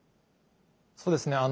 そうですね